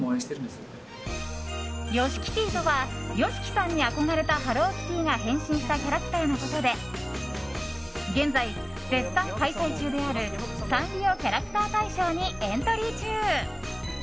ｙｏｓｈｉｋｉｔｔｙとはＹＯＳＨＩＫＩさんに憧れたハローキティが変身したキャラクターのことで現在、絶賛開催中であるサンリオキャラクター大賞にエントリー中。